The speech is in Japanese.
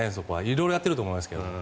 色々やってると思いますけど。